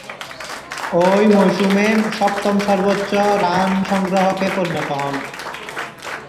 ঐ মৌসুমে সপ্তম সর্বোচ্চ রান সংগ্রাহকে পরিণত হন।